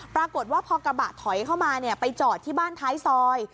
ปรากฏว่าพอกระบะถอยเข้ามาไปจอดที่บ้านท้ายซอย